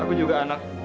aku juga anak